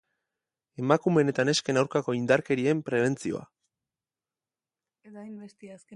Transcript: Emakumeen eta nesken aurkako indarkerien prebentzioa.